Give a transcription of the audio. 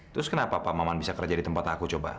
terus kenapa pak maman bisa kerja di tempat aku coba